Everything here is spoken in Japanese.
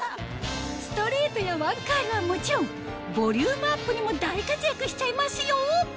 ストレートやワンカールはもちろんボリュームアップにも大活躍しちゃいますよ！